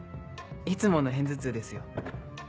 いつもの片頭痛ですよ。